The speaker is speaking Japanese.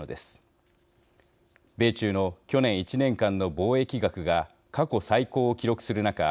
米中の去年１年間の貿易額が過去最高を記録する中